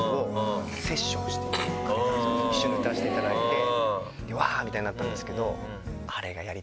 一緒に歌わせていただいてうわぁ！みたいになったんですけど。